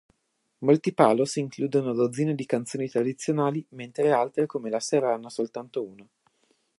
Molti "palos" includono dozzine di canzoni tradizionali, mentre altre come la serrana soltanto una.